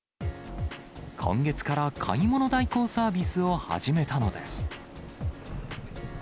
今月から買い物代行サービスを始めたのです。